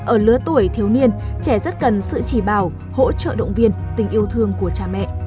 ở lứa tuổi thiếu niên trẻ rất cần sự chỉ bảo hỗ trợ động viên tình yêu thương của cha mẹ